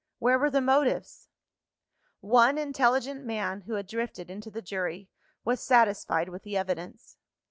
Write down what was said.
Where were the motives? One intelligent man, who had drifted into the jury, was satisfied with the evidence.